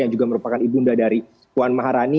yang juga merupakan ibunda dari puan maharani